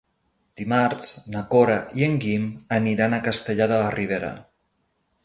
Dimarts na Cora i en Guim aniran a Castellar de la Ribera.